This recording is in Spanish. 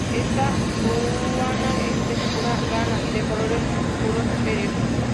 Esta ruana es de pura lana y de colores oscuros serios.